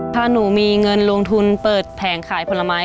ถ้าหนูมีเงินลงทุนเปิดแผงขายผลไม้